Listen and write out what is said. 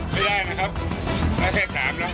ไม่ได้นะครับมาแค่๓แล้วครับ